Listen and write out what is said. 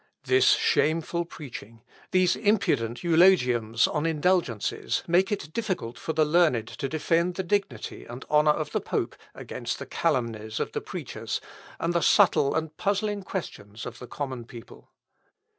"This shameful preaching, these impudent eulogiums on indulgences make it difficult for the learned to defend the dignity and honour of the pope against the calumnies of the preachers, and the subtile and puzzling questions of the common people.